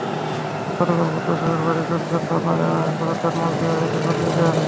গতকাল বুধবার শ্বশুরবাড়ির লোকজন পাবনা জেনারেল হাসপাতালে তাঁর মরদেহ রেখে পালিয়ে যান।